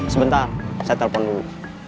sebentar saya telepon dulu